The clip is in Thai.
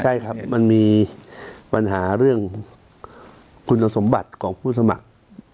ใช่ครับมันมีปัญหาเรื่องคุณสมบัติของผู้สมัคร